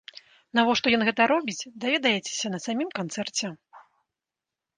Навошта ён гэта робіць, даведаецеся на самім канцэрце!